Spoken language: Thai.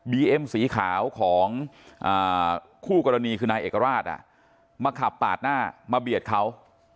เอ็มสีขาวของคู่กรณีคือนายเอกราชมาขับปาดหน้ามาเบียดเขา